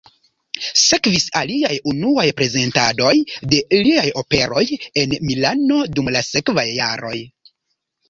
Sekvis aliaj unuaj prezentadoj de liaj operoj en Milano dum la sekvaj jaroj.